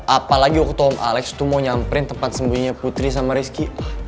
apalagi waktu alex tuh mau nyamperin tempat sembunyinya putri sama rizky